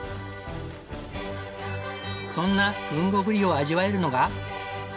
そんな豊後ぶりを味わえるのが。